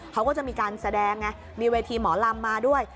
เขาก็จะมีการแสดงไงมีเวทีหมอลำมาด้วย